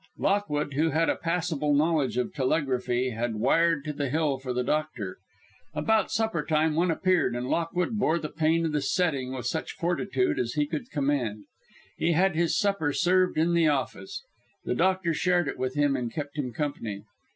Lockwood, who had a passable knowledge of telegraphy, had wired to the Hill for the doctor. About suppertime one appeared, and Lockwood bore the pain of the setting with such fortitude as he could command. He had his supper served in the office. The doctor shared it with him and kept him company.